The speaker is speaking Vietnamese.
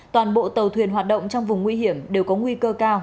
toàn bộ tàu thuyền hoạt động trong vùng nguy hiểm đều có nguy cơ cao